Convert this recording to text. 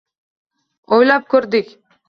O‘ylab ko‘rdik.